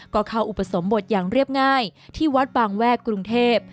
ก็เข้าอุปสมบทอย่างเรียบง่ายที่วัดบางแวกกรุงเทพ